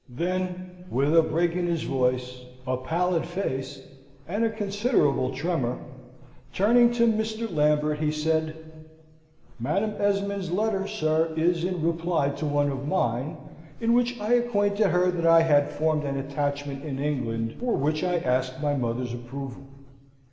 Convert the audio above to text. Then, with a break in his voice, a pallid face, and a considerable tremor, turning to Mr. Lambert, he said: "Madam Esmond's letter, sir, is in reply to one of mine, in which I acquainted her that I had formed an attachment in England, for which I asked my mother's approval.